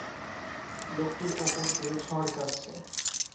লোকটির ওপর দিয়ে ঝড় যাচ্ছে।